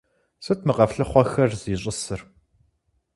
Сыт мы къэфлъыхъуэхэр зищӀысыр?